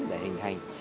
để hình hành